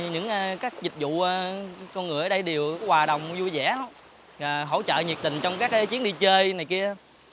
những các dịch vụ con người ở đây đều hòa đồng vui vẻ hỗ trợ nhiệt tình trong các chuyến đi chơi này kia